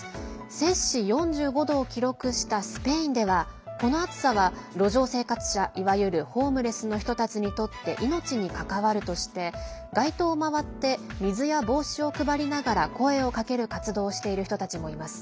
摂氏４５度を記録したスペインではこの暑さは路上生活者いわゆるホームレスの人たちにとって命に関わるとして、街頭を回って水や帽子を配りながら声をかける活動をしている人たちもいます。